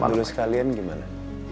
sekolah dulu sekalian gimana